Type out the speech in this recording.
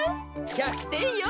１００てんよ。